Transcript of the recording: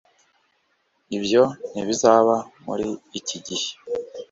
Ibyo ntibizaba muri iki gihe